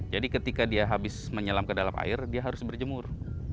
jadi ketika dia habis menyelam ke dalam air dia harus berjemur